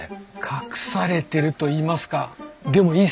隠されてるといいますかでもいい線いってます！